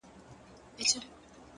د کړکۍ خلاصه برخه د نړۍ کوچنی درشل وي’